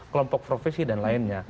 kelompok profesi dan lainnya